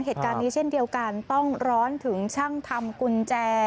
เหตุการณ์นี้เช่นเดียวกันต้องร้อนถึงช่างทำกุญแจ